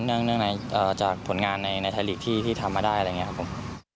จากผลงานในไทยลีกที่ทำมาได้อะไรอย่างนี้ครับผม